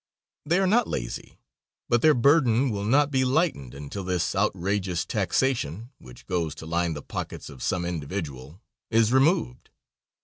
They are not lazy, but their burden will not be lightened until this outrageous taxation, which goes to line the pockets of some individual, is removed.